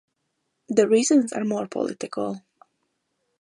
The reasons are more political.